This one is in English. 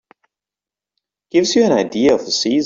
Gives you an idea of the season.